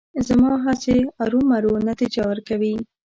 زما هڅې ارومرو نتیجه ورکوي.